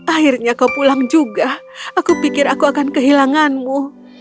akhirnya kau pulang juga aku pikir aku akan kehilanganmu